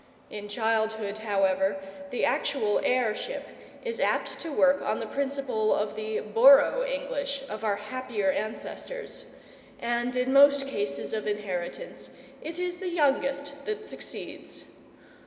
In childhood, however, the actual heirship is apt to work on the principle of the "Borough English" of our happier ancestors, and in most cases of inheritance it is the youngest that succeeds.